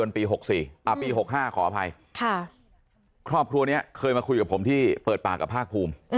ปี๖๕ขออภัยครอบครัวนี้เคยมาคุยกับผมที่เปิดปากกับภาคภูมิ